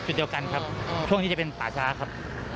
จุดเดียวกันครับช่วงนี้จะเป็นป่าช้าครับ